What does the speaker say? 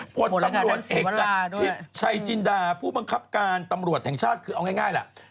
ผลตำรวจเอกจากทิพย์ชัยจินดาผู้บังคับการตำรวจแห่งชาติคือเอาง่ายแหละ